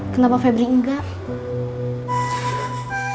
kenapa febri tidak bisa